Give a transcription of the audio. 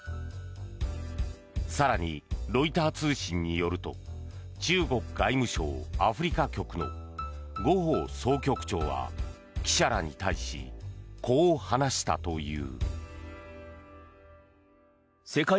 更に、ロイター通信によると中国外務省アフリカ局のゴ・ホウ総局長は記者らに対しこう話したという。